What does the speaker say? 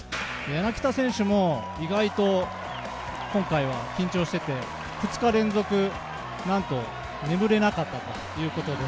柳田選手も意外と今回は緊張していて２日連続、なんと眠れなかったということで。